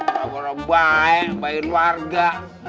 baik baikin warga